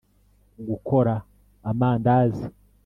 gukora amandazi